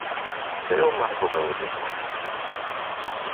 Eu marco o meu ritmo.